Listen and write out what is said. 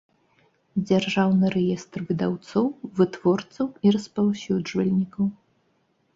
ДЗЯРЖАЎНЫ РЭЕСТР ВЫДАЎЦОЎ, ВЫТВОРЦАЎ I РАСПАЎСЮДЖВАЛЬНIКАЎ